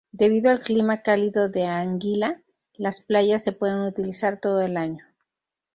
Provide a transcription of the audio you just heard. Debido al clima cálido de Anguila, las playas se pueden utilizar todo el año.